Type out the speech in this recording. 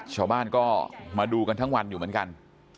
ชาวบ้านก็มาดูกันทั้งวันอยู่เหมือนกัน